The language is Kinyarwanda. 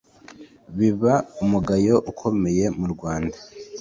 Biba umugayo ukomeye mu Rwanda